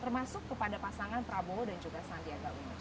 termasuk kepada pasangan prabowo dan juga shadia gauno